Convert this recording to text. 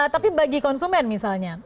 tapi bagi konsumen misalnya